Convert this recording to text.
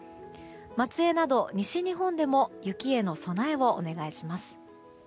松江など西日本でも雪への備えお願いします。